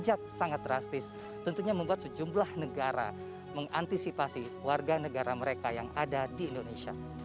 artinya membuat sejumlah negara mengantisipasi warga negara mereka yang ada di indonesia